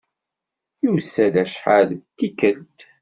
Yusa-d acḥal d tikkelt.